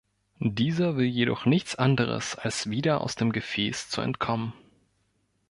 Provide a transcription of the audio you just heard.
Dieser will jedoch nichts anderes, als wieder aus dem Gefäß zu entkommen.